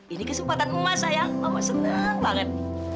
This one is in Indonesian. ini kesempatan emas saya mama senang banget